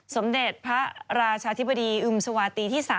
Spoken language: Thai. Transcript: สมเด็จพระราชาธิบดีอึมสวาตีที่๓